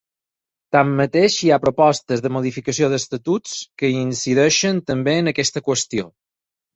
Tanmateix, hi ha propostes de modificació d’estatuts que incideixen també en aquesta qüestió.